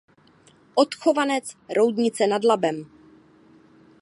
Odchovanec Roudnice nad Labem.